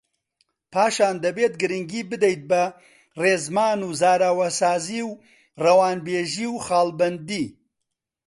پاشان دەبێت گرنگی بدەیت بە ڕێزمان و زاراوەسازی و ڕەوانبێژی و خاڵبەندی